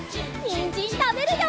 にんじんたべるよ！